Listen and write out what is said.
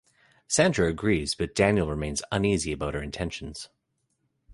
Sandra agrees, but Daniel remains uneasy about her intentions.